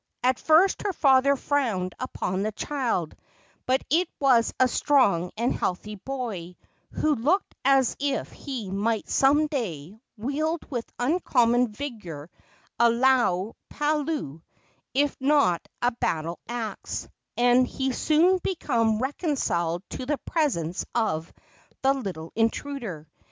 At first her father frowned upon the child; but it was a strong and healthy boy, who looked as if he might some day wield with uncommon vigor a laau palau if not a battle axe, and he soon became reconciled to the presence of the little intruder.